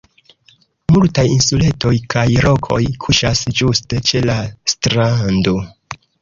Multaj insuletoj kaj rokoj kuŝas ĝuste ĉe la strando.